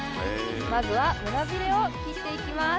まずは胸びれを切っていきます。